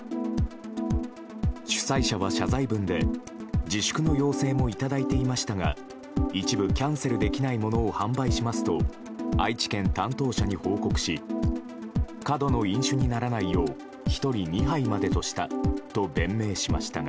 主催者は謝罪文で自粛の要請もいただいていましたが一部キャンセルできないものを販売しますと愛知県担当者に報告し過度の飲酒にならないよう１人２杯までとしたと弁明しましたが。